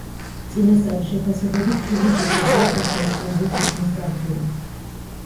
წინასწარი შეფასებებით, ფილმი შესაძლოა წელს ოსკარზეც იქნას წარდგენილი.